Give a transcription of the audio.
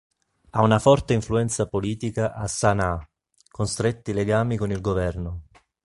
Ha una forte influenza politica a Sana'a, con stretti legami con il governo.